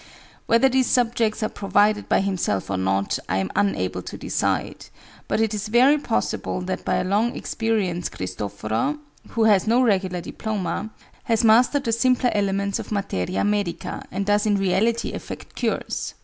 Whether these subjects are provided by himself or not, I am unable to decide; but it is very possible that by long experience, Christoforo who has no regular diploma has mastered the simpler elements of Materia Medica, and does in reality effect cures.